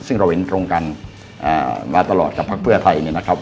ซึ่งเราเห็นตรงกันมาตลอดกับพักเพื่อไทยเนี่ยนะครับ